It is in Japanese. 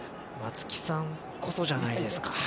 松木さんこそじゃないですか。